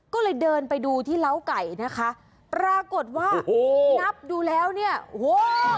ก็เลยเดินไปดูที่เล้าไก่นะคะปรากฏว่าโอ้นับดูแล้วเนี่ยโอ้โห